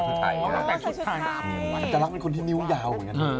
จะเป็นคนที่นิ้วยาว